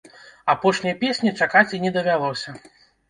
Апошняй песні чакаць і не давялося.